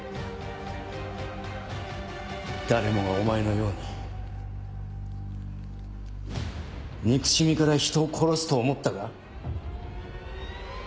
誰もがお前のように憎しみから人を殺すと思ったか？